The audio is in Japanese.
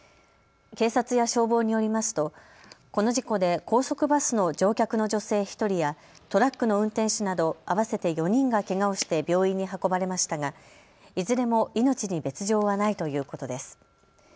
警察や消防によりますとこの事故で高速バスの乗客の女性１人やトラックの運転手など合わせて４人がけがをして病院に運ばれましたがいずれも命に別状はないということです。